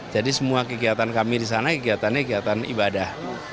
jadi semua kegiatan kami di sana kegiatannya kegiatan ibadah